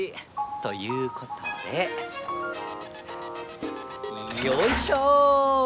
ということでよいしょ！